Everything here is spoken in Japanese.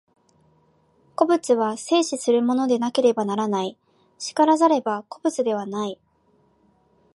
個物は生死するものでなければならない、然らざれば個物ではない。